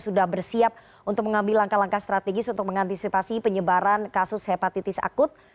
sudah bersiap untuk mengambil langkah langkah strategis untuk mengantisipasi penyebaran kasus hepatitis akut